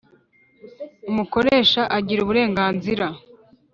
umukoresha agira uburenganzira